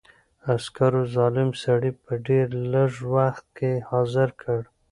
عسکرو ظالم سړی په ډېر لږ وخت کې حاضر کړ.